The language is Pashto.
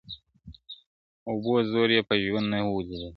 د اوبو زور یې په ژوند نه وو لیدلی٫